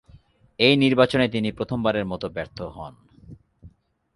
এই নির্বাচনে তিনি প্রথমবারের মত ব্যর্থ হন।